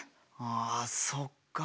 あそっか。